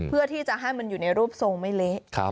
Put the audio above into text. เพื่อที่จะให้มันอยู่ในรูปทรงไม่เละ